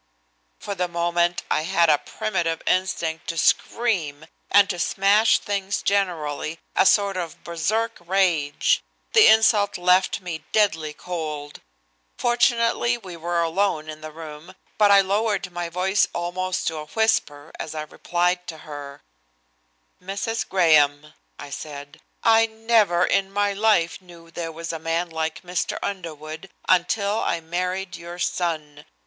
For the moment I had a primitive instinct to scream and to smash things generally, a sort of Berserk rage. The insult left me deadly cold. Fortunately we were alone in the room, but I lowered my voice almost to a whisper as I replied to her: "Mrs. Graham," I said. "I never in my life knew there was a man like Mr. Underwood until I married your son.